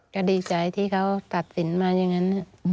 ก็ดีใจที่เขาตัดสินมาอย่างนั้น